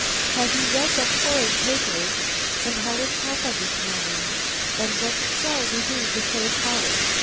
"Have you read the horrid papers?" and "How is papa this morning?" and "What shall we do to save Howard?"